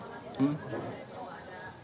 ada resistensi dari bok